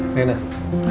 sini duduk sini mancus